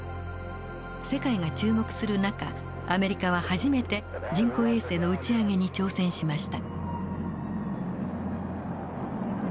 世界が注目する中アメリカは初めて人工衛星の打ち上げに挑戦しました。